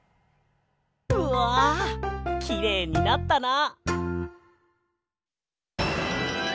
うわきれいになったな。